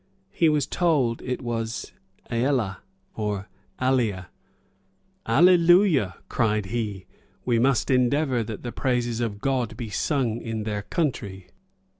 He was told it was "Ælla," or "Alia." "Alleluiah;" cried he, "we must endeavor that the praises of God be sung in their country."